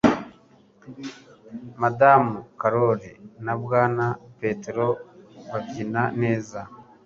Madamu karori na Bwana petero babyina neza